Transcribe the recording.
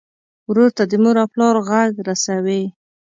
ورور ته د مور او پلار غږ رسوې.